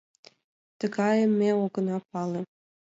— Тыгайым ме огына пале.